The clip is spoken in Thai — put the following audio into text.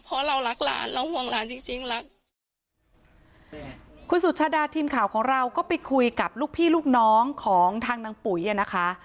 เพราะเรารักหลานเราห่วงหลานจริงจริงรักคุณสุชาดาทีมข่าวของเราก็ไปคุยกับลูกพี่ลูกน้องของทางนางปุ๋ยอ่ะนะคะ